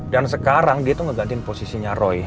dan sekarang dia tuh ngegantin posisinya roy